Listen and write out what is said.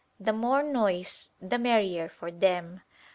The more noise the merrier for them.